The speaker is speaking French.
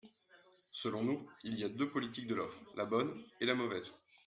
Selon nous, il y a deux politiques de l’offre : la bonne et la mauvaise.